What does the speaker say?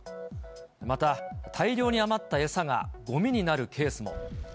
また、大量に余った餌がごみになるケースも。